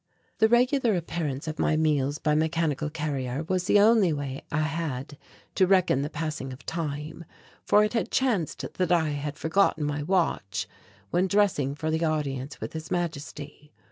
The regular appearance of my meals by mechanical carrier was the only way I had to reckon the passing of time, for it had chanced that I had forgotten my watch when dressing for the audience with His Majesty.